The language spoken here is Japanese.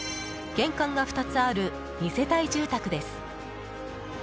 玄関が２つある二世帯住宅です。